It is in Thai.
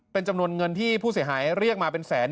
เป็นจำนวนเงินที่ผู้เสียหายเรียกมาเป็นแสน